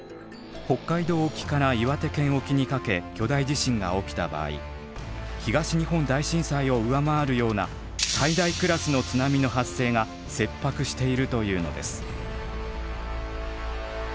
北海道沖から岩手県沖にかけ巨大地震が起きた場合東日本大震災を上回るような「最大クラスの津波の発生が切迫している」というのです。